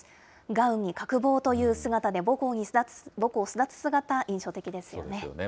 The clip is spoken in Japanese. ガウンに角帽という姿で母校を巣立つ姿、印象的ですよね。